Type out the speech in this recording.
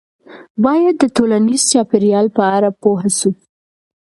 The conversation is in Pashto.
باید د ټولنیز چاپیریال په اړه پوه سو.